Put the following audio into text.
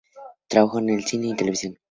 Trabajó en cine y televisión.